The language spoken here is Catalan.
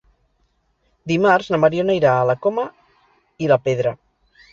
Dimarts na Mariona irà a la Coma i la Pedra.